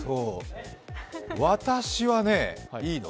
私はね、いいの？